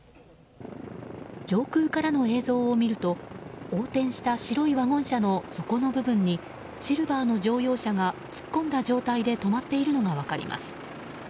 上空からの映像を見ると横転した白いワゴン車の底の部分にシルバーの乗用車が突っ込んだ状態で止まっているのが分かります。